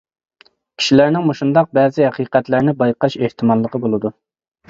كىشىلەرنىڭ مۇشۇنداق بەزى ھەقىقەتلەرنى بايقاش ئېھتىماللىقى بولىدۇ.